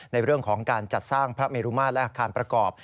ในเรื่องของการจัดสร้างพระเมรุมาตรและอาคารประกอบ